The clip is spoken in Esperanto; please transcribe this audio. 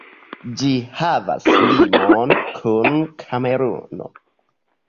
Ĝi havas limon kun Kameruno.